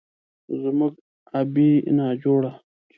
زموږ ابۍ ناجوړه